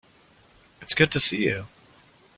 It's good to see you.